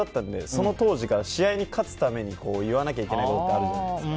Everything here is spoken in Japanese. その当時から試合に勝つために言わなきゃいけないことあるじゃないですか。